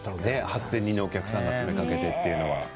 ８０００人のお客さんの前に立つというのは。